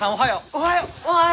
おはよう！